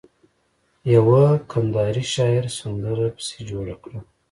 يوه کنداري شاعر سندره پسې جوړه کړه.